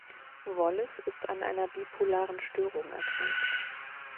Wallace ist an einer bipolaren Störung erkrankt.